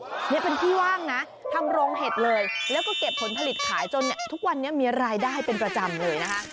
นี่เป็นที่ว่างนะทำโรงเห็ดเลยแล้วก็เก็บผลผลิตขายจนทุกวันนี้มีรายได้เป็นประจำเลยนะคะ